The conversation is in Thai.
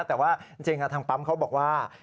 แต่ว่าจริงทางปั๊มเขาบอกว่า